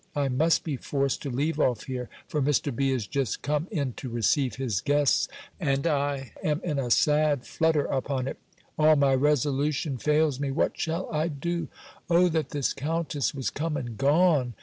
I must be forced to leave off here; for Mr. B. is just come in to receive his guests; and I am in a sad flutter upon it. All my resolution fails me; what shall I do? O that this countess was come and gone!